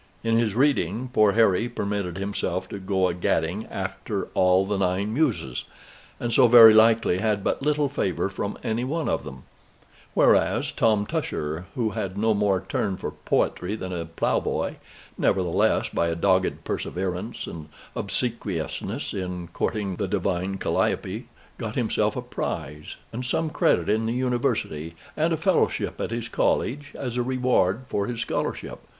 In his reading, poor Harry permitted himself to go a gadding after all the Nine Muses, and so very likely had but little favor from any one of them; whereas Tom Tusher, who had no more turn for poetry than a ploughboy, nevertheless, by a dogged perseverance and obsequiousness in courting the divine Calliope, got himself a prize, and some credit in the University, and a fellowship at his college, as a reward for his scholarship.